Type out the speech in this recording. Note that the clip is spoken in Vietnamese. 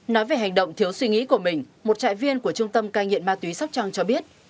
nói về hành động thiếu suy nghĩ của mình một trại viên của trung tâm cai nghiện ma túy sóc trăng cho biết